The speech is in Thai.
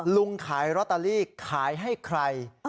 ขายลอตเตอรี่ขายให้ใคร